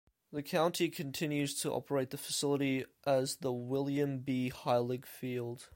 The county continues to operate the facility as the William B. Heilig Field.